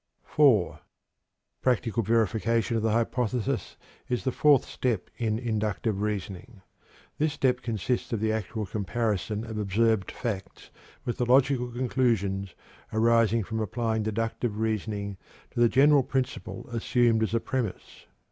IV. Practical verification of the hypothesis is the fourth step in inductive reasoning. This step consists of the actual comparison of observed facts with the "logical conclusions" arising from applying deductive reasoning to the general principle assumed as a premise.